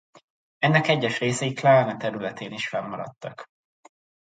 Ennek egyes részei Klana területén is fennmaradtak.